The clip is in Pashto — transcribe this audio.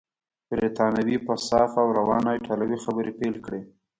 بریتانوي په صافه او روانه ایټالوې خبرې پیل کړې.